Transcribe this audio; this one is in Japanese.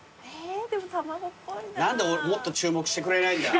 何でもっと注目してくれないんだ。